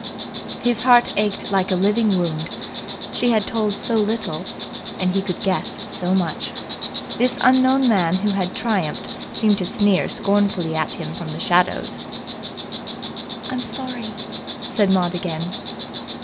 His heart ached like a living wound. She had told so little, and he could guess so much. This unknown man who had triumphed seemed to sneer scornfully at him from the shadows. "I'm sorry," said Maud again.